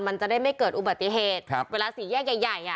มันจะได้ไม่เกิดอุบัติเหตุครับเวลาสี่แยกใหญ่ใหญ่อ่ะ